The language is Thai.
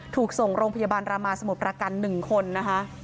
ถูกส่งโรงพยาบาลรามาสมุทรประการ๑คนนะคะ